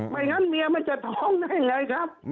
ไม่งั้นเมียมันจะท้องได้ไงครับ